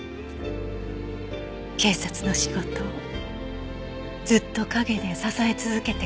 警察の仕事をずっと陰で支え続けてきた人。